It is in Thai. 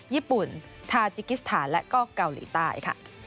ญี่ปุ่นทาจิกิสถานและก็เกาหลีใต้ค่ะ